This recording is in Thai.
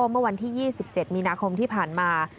เมื่อวันที่๒๗มีนาคมที่ผ่านมา